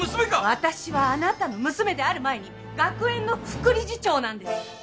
私はあなたの娘である前に学園の副理事長なんです！